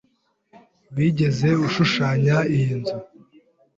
Wigeze ushushanya iyi nzu?